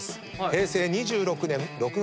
平成２６年６月３日。